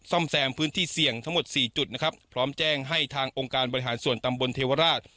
ซ่อมแซมพื้นที่เสี่ยงทั้งหมดสี่จุดนะครับพร้อมแจ้งให้ทางองค์การบริหารส่วนตำบลเทวราช